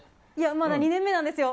まだ２年目なんですよ。